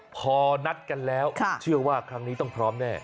พอนัดกันแล้วเชื่อว่าครั้งนี้ต้องพร้อมแน่